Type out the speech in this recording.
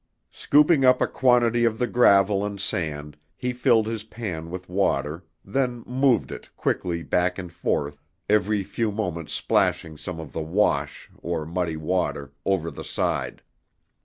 Scooping up a quantity of the gravel and sand he filled his pan with water, then moved it quickly back and forth, every few moments splashing some of the "wash" or muddy water, over the side.